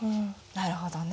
なるほどね。